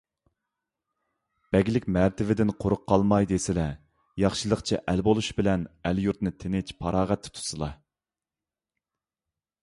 بەگلىك مەرتىۋىدىن قۇرۇق قالماي دېسىلە، ياخشىلىقچە ئەل بولۇش بىلەن ئەل - يۇرتنى تىنچ - پاراغەتتە تۇتسىلا!